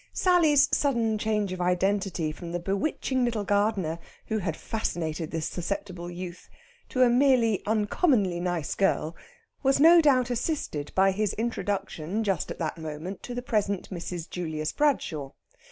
Sally's sudden change of identity from the bewitching little gardener who had fascinated this susceptible youth, to a merely uncommonly nice girl, was no doubt assisted by his introduction just at that moment to the present Mrs. Julius Bradshaw.